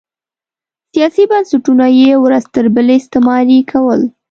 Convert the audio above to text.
سیاسي بنسټونه یې ورځ تر بلې استثماري کول